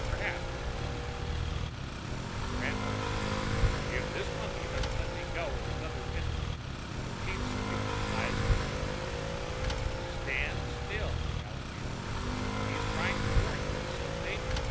"Perhaps," Allenby granted. Randolph said, "If this monkey doesn't let me go in another minute " The chief squeaked, eyes concerned. "Stand still," Allenby ordered. "He's trying to warn you of some danger."